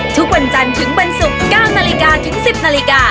ทุกวันจันทร์ถึงวันศุกร์๙นาฬิกาถึง๑๐นาฬิกา